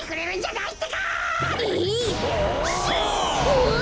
うわ！